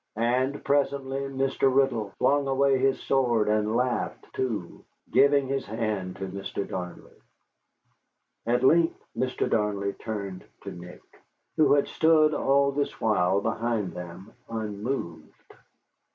And presently Mr. Riddle flung away his sword, and laughed, too, giving his hand to Mr. Darnley. At length Mr. Darnley turned to Nick, who had stood all this while behind them, unmoved.